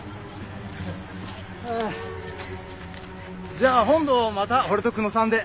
じゃあ本堂をまた俺と久野さんで。